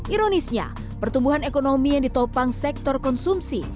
ironisnya pertumbuhan ekonomi yang ditopang sektor konsumsi